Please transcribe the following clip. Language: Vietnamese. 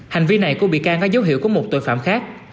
hành vi này của bị can có dấu hiệu của một tội phạm khác